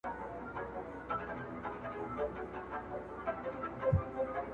د ميني اوبه وبهېږي_